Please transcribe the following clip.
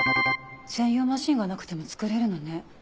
専用マシンがなくても作れるのね。